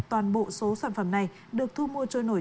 toàn bộ số sản phẩm này được thu mua trôi nổi